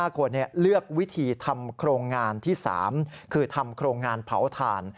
๕คนเลือกวิธีทำโครงงานที่๓คือทำโครงงานเผาถ่าน